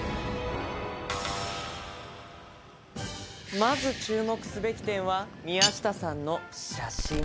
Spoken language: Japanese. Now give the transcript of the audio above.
まず注目すべき点は、宮下さんの写真。